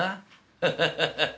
ハハハハハ。